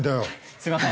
すみません。